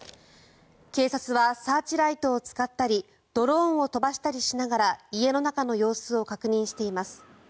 警察はサーチライトを使ったりドローンを飛ばしたりしながら家の中の様子を確認しています。